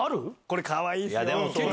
これかわいいっすよ。